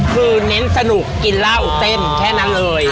คือเน้นสนุกกินเหล้าเต้นแค่นั้นเลย